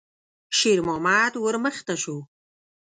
شېرمحمد ور مخته شو.